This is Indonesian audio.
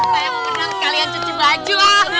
saya mau berenang kalian cuci baju